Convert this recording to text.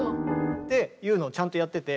っていうのをちゃんとやってて。